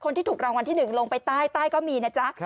คนที่ถูกรางวัลที่หนึ่งลงไปใต้ใต้ก็มีนะจ๊ะ